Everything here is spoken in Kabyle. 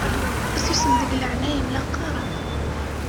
Susem deg leɛnaya-m la qqaṛen!